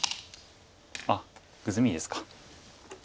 あっグズミですか。